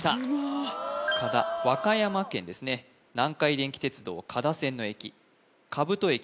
危な加太和歌山県ですね南海電気鉄道加太線の駅加太駅